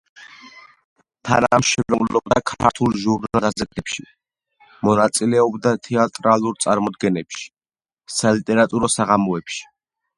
თანამშრომლობდა ქართულ ჟურნალ-გაზეთებში, მონაწილეობდა თეატრალურ წარმოდგენებში, სალიტერატურო საღამოებში.